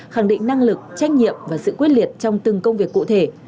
khẳng định năng lực trách nhiệm và sự quyết liệt trong từng công việc cụ thể